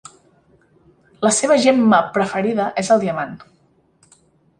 La seva gemma preferida és el diamant.